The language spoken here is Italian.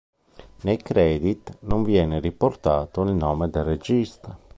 Nei credit non viene riportato il nome del regista.